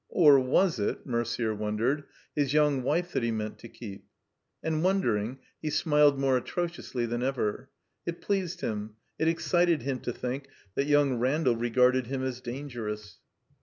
Or was it, Merder wondered, his young wife that he meant to keep? And wondering, he smiled more atrodously than ever. It pleased him, it exdted him to think that young Randall regarded him as dangerous.